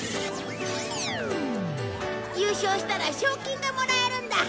優勝したら賞金がもらえるんだ。